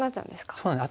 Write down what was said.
そうなんです